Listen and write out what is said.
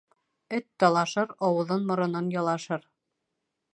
Эт талашыр, ауыҙын-моронон ялашыр.